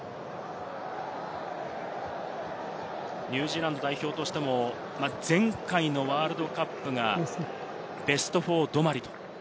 ニュージーランド代表としても前回のワールドカップがベスト４止まり。